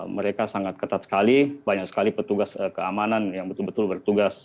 mereka sangat ketat sekali banyak sekali petugas keamanan yang betul betul bertugas